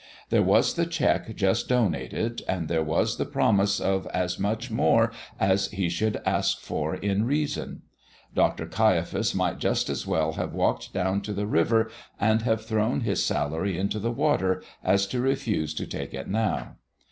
There was the check just donated, and there was the promise of as much more as he should ask for in reason. Dr. Caiaphas might just as well have walked down to the river and have thrown his salary into the water as to refuse to take it now.